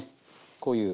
こういう。